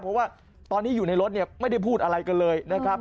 เพราะว่าตอนนี้อยู่ในรถเนี่ยไม่ได้พูดอะไรกันเลยนะครับ